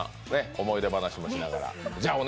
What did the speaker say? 思い出話もしながら。